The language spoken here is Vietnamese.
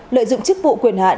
lợi dụng chức vụ quyền hạn